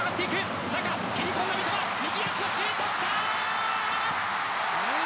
切り込んでいく右足のシュートきた。